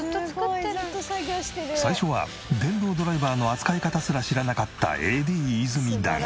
最初は電動ドライバーの扱い方すら知らなかったＡＤ泉だが。